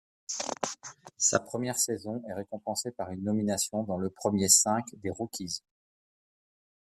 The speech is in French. Sa première saison est récompensée par une nomination dans le premier cinq des rookies.